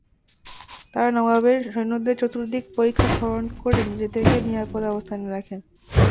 তারা নবাবের সৈন্যদের চতুর্দিকে পরিখা খনন করে নিজেদেরকে নিরাপদ অবস্থানে রাখে।